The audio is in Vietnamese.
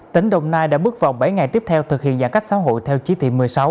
tỉnh đồng nai đã bước vào bảy ngày tiếp theo thực hiện giãn cách xã hội theo chỉ thị một mươi sáu